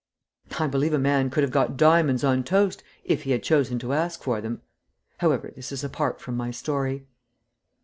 I believe a man could have got diamonds on toast if he had chosen to ask for them. However, this is apart from my story.